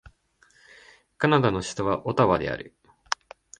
カナダの首都はオタワである